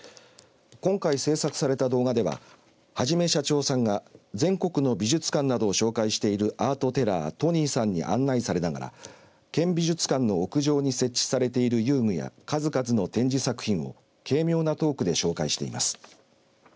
今回制作された動画でははじめしゃちょーさんが全国の美術館などを紹介しているアートテラー、とにさんに案内されながら県美術館の屋上に設置されている遊具や数々の展示作品を軽妙なトークで紹介しています。